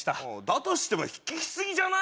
だとしても引き過ぎじゃない？